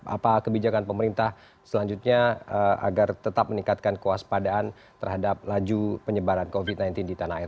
apa kebijakan pemerintah selanjutnya agar tetap meningkatkan kewaspadaan terhadap laju penyebaran covid sembilan belas di tanah air